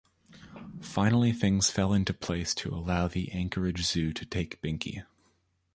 Finally things fell into place to allow the Anchorage zoo to take Binky.